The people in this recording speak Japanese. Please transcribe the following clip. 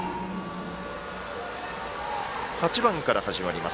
８番から始まります。